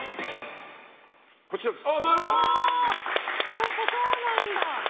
やっぱそうなんだ。